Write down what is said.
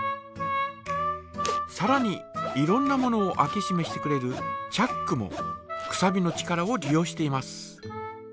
さらにいろんなものを開けしめしてくれるチャックもくさびの力を利用しています。